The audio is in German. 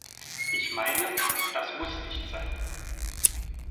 Ich meine, das muss nicht sein.